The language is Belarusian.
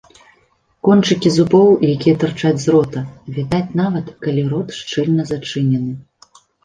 Кончыкі зубоў, якія тырчаць з рота, відаць нават калі рот шчыльна зачынены.